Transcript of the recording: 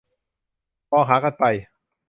มองหากันไป